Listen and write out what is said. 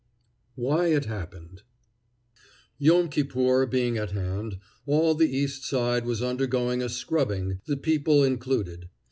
WHY IT HAPPENED Yom Kippur being at hand, all the East Side was undergoing a scrubbing, the people included.